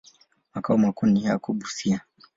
Makao makuu yako Busia.